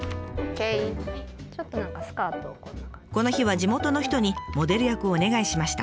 この日は地元の人にモデル役をお願いしました。